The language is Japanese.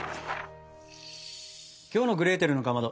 きょうの「グレーテルのかまど」